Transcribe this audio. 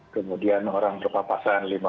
kemudian orang berpapasan